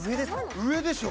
上でしょ！